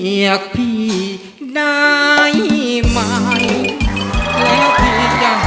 เรียกพี่อย่างค่าเป็นคนอยู่ไหน